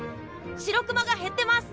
シロクマが減ってます！